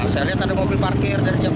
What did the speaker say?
saya lihat ada mobil parkir dari jam dua